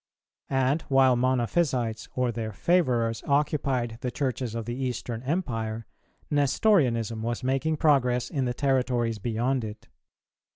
And while Monophysites or their favourers occupied the Churches of the Eastern Empire, Nestorianism was making progress in the territories beyond it.